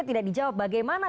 yang tidak dijawab bagaimana